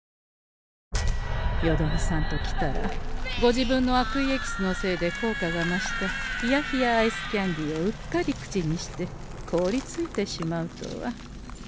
よどみさんときたらご自分の悪意エキスのせいで効果が増した冷や冷やアイスキャンディをうっかり口にしてこおりついてしまうとは。